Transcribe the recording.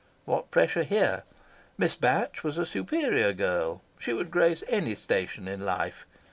What pressure here? Miss Batch was a superior girl; she would grace any station in life.